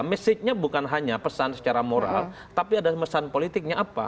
message nya bukan hanya pesan secara moral tapi ada pesan politiknya apa